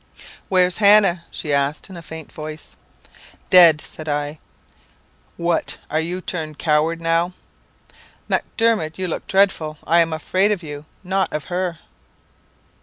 "'Where's Hannah?' she asked, in a faint voice. "'Dead,' said I. 'What! are you turned coward now?' "'Macdermot, you look dreadful. I am afraid of you, not of her.'